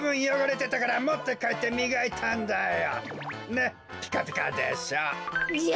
ねっピカピカでしょ？